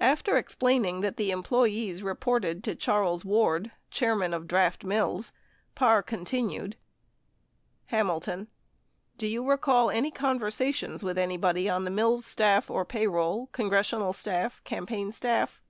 After explaining that the employees reported to Charles Ward, chairman of Draft Mills, Parr continued : Hamilton. Do you recall any conversations with anybody on the Mills staff or payroll, Congressional staff, campaign staff?